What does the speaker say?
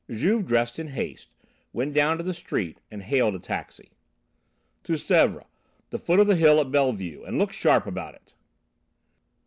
Juve dressed in haste, went down to the street and hailed a taxi. "To Sèvres, the foot of the hill at Bellevue, and look sharp about it!"